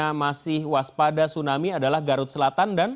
yang masih waspada tsunami adalah garut selatan dan